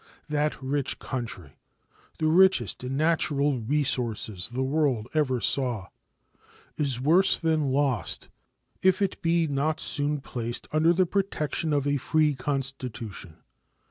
That rich country the richest in natural resources the world ever saw is worse than lost if it be not soon placed under the protection of a free constitution.